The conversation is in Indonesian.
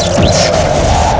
aku sudah menang